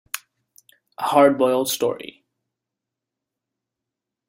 A Hardboiled Story.